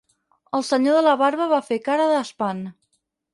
El senyor de la barba va fer cara d'espant.